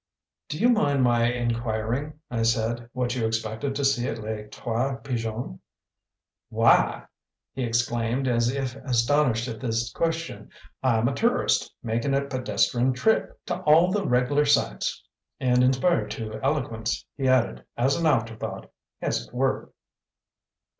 "Do you mind my inquiring," I said, "what you expected to see at Les Trois Pigeons?" "Why!" he exclaimed, as if astonished at the question, "I'm a tourist. Makin' a pedestrun trip t' all the reg'ler sights." And, inspired to eloquence, he added, as an afterthought: "As it were."